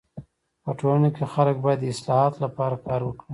په ټولنه کي خلک باید د اصلاحاتو لپاره کار وکړي.